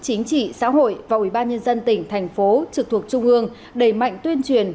chính trị xã hội và ủy ban nhân dân tỉnh thành phố trực thuộc trung ương đầy mạnh tuyên truyền